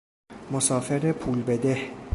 مسافر پول بده